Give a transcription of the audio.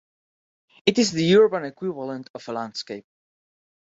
It is the urban equivalent of a landscape.